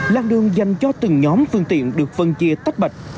làn đường dành cho từng nhóm phương tiện được phân chia tắt bạch